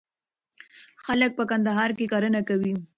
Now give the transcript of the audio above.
خلک په کندهار کي کرنه کوي.